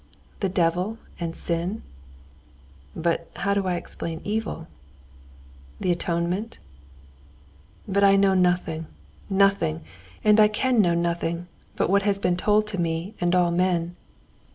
The devil and sin. But how do I explain evil?... The atonement?... "But I know nothing, nothing, and I can know nothing but what has been told to me and all men."